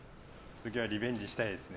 次はリベンジしたいですね。